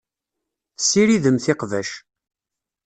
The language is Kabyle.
Tessiridemt iqbac.